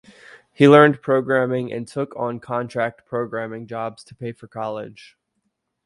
He learned programming and took on contract programming jobs to pay for college.